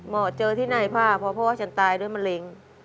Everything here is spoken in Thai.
หมอเจอที่ในผ่าเพราะถ้าพ่อฉันตายด้วยมะเรน